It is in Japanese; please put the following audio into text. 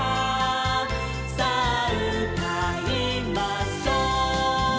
「さあうたいましょう」